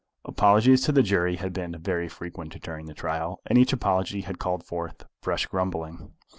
Apologies to the jury had been very frequent during the trial, and each apology had called forth fresh grumbling.